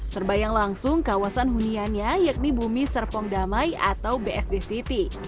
terbayang langsung kawasan huniannya yakni bumi serpong damai atau bsd city